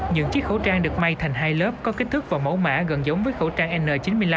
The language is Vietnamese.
những chiếc khẩu trang được may thành hai lớp có kích thước và mẫu mã gần giống với khẩu trang n chín mươi năm